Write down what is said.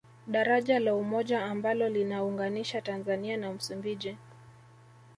Daraja la Umoja ambalo lina unganisha Tanzania na Msumbiji